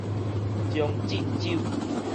將進酒